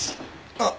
あっ。